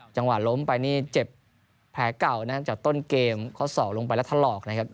จังหวะล้มไปนี่เจ็บแผลเก่านะครับจากต้นเกมข้อศอกลงไปแล้วถลอกนะครับ